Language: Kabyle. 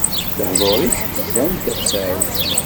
Lehduṛ-is zzan tasa-w.